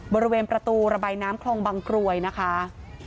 บริเวณประตูระบายน้ำคลองบางกรวยนะคะ